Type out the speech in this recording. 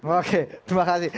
oke terima kasih